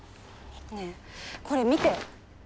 ねえこれ見て。